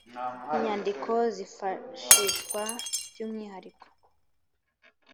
inyandiko zifashishwa by’umwihariko